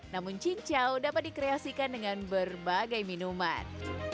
namun cincau dapat dikreasikan dengan berbagai minuman